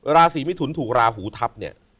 ราศีมิถุนถูกราหูทับเนี่ย